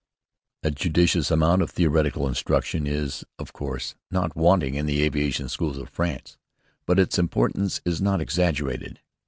A judicious amount of theoretical instruction is, of course, not wanting in the aviation schools of France; but its importance is not exaggerated.